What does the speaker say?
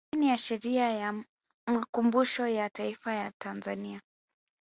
Chini ya sheria ya makumbusho ya Taifa la Tanzania